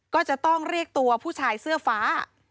ก็จะต้องเรียกตัวผู้ชายเสื้อฟ้า